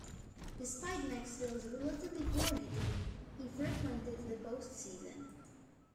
Despite Maxvill's relatively poor hitting, he frequented the postseason.